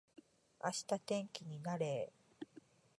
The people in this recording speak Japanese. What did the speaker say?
明日天気になれー